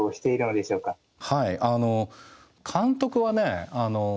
はいあの監督はね